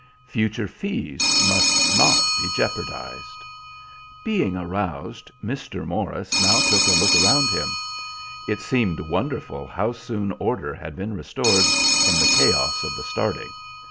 Future fees must not be jeopardized. Being aroused, Mr. Morris now took a look around him. It seemed wonderful how soon order had been restored from the chaos of the starting.